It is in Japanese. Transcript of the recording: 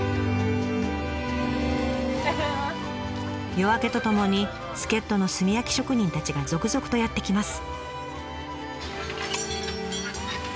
夜明けとともに助っとの炭焼き職人たちが続々とやって来ます。